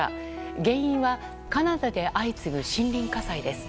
原因はカナダで相次ぐ森林火災です。